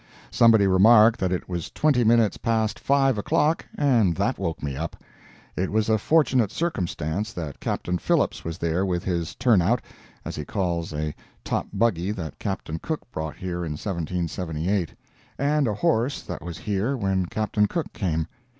Somebody remarked that it was twenty minutes past five o'clock, and that woke me up. It was a fortunate circumstance that Captain Phillips was there with his "turn out," as he calls a top buggy that Captain Cook brought here in 1778, and a horse that was here when Captain Cook came.